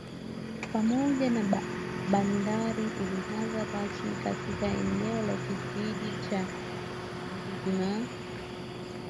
pamoja na bandari ulianza rasmi katika eneo la kijiji cha Mzizima